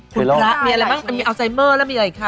คุณพระมีอะไรบ้างมันมีอัลไซเมอร์แล้วมีอะไรอีกคะ